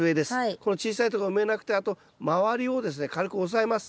この小さいとこは埋めなくてあと周りをですね軽く押さえます。